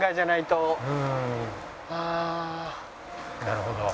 なるほど。